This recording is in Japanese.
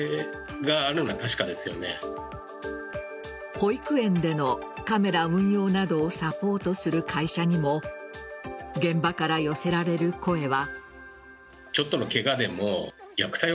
保育園でのカメラ運用などをサポートする会社にも現場から寄せられる声は。